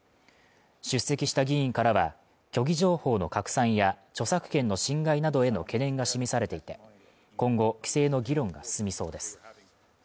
出席した議員からは、虚偽情報の拡散や著作権の侵害などへの懸念が示されていて、今後、規制の議論が進みそうです。